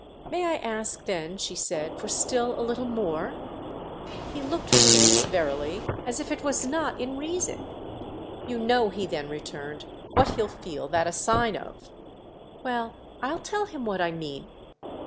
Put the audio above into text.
"May I ask then," she said, "for still a little more?" He looked for this, verily, as if it was not in reason. "You know," he then returned, "what he'll feel that a sign of." "Well, I'll tell him what I mean."